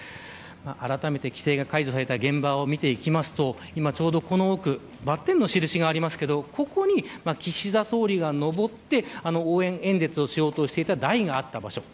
あらためで規制が解除された現場を見ていくと今ちょうど、この奥バッテンの印がありますけどここに岸田総理が登って応援演説をしようとしていた台があった場所。